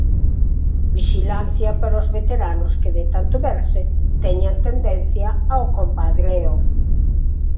Vixilancia para os veteranos que, de tanto verse, teñan tendencia ao compadreo.